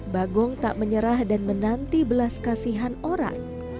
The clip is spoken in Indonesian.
bagong tak menyerah dan menanti belas kasihan orang